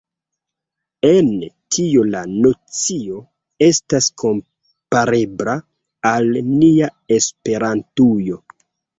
En tio la nocio estas komparebla al nia Esperantujo.